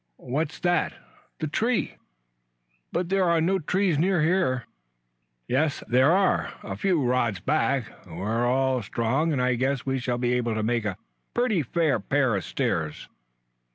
"What's that?" "The tree." "But there are no trees near here?" "Yes, there are, a few rods back. We are all strong and I guess we shall be able to make a pretty fair pair of steps."